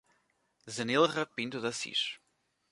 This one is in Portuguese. Zenilra Pinto de Assis